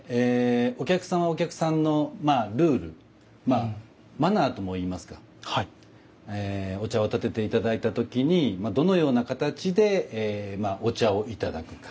お客さんはお客さんのルールまあマナーともいいますかお茶を点てて頂いた時にどのような形でお茶を頂くか。